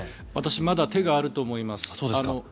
私まだ手があると思います。